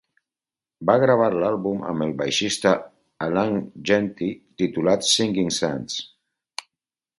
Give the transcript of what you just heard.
Va gravar l'àlbum amb el baixista Alain Genty, titulat "Singing Sands".